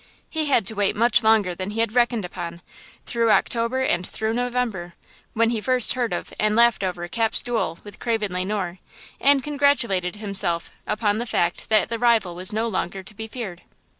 He had to wait much longer than he had reckoned upon through October and through November, when he first heard of and laughed over Cap's "duel" with Craven Le Noir, and congratulated himself upon the fact that that rival was no longer to be feared.